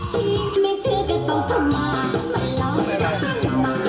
ดาบที่ไม่เชื่อก็ต้องเข้ามา